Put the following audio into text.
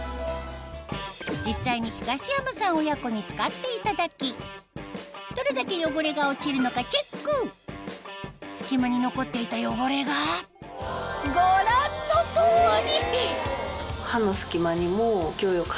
実際に東山さん親子に使っていただきどれだけ汚れが落ちるのかチェック隙間に残っていた汚れがご覧の通り！